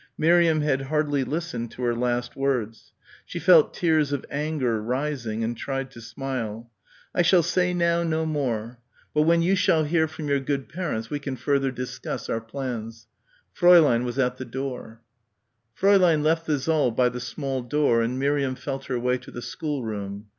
Miriam had hardly listened to her last words. She felt tears of anger rising and tried to smile. "I shall say now no more. But when you shall hear from your good parents, we can further discuss our plans." Fräulein was at the door. Fräulein left the saal by the small door and Miriam felt her way to the schoolroom.